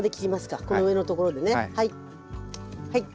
この上のところでねはい。